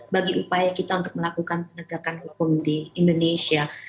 bagi upaya kita untuk melakukan penegakan hukum di indonesia